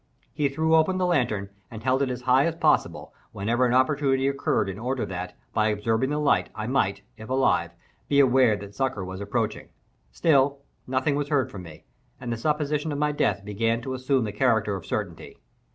He threw open the lantern, and held it as high as possible, whenever an opportunity occurred, in order that, by observing the light, I might, if alive, be aware that succor was approaching. Still nothing was heard from me, and the supposition of my death began to assume the character of certainty.